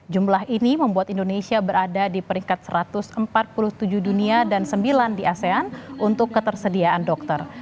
jumlah ini membuat indonesia berada di peringkat satu ratus empat puluh tujuh dunia dan sembilan di asean untuk ketersediaan dokter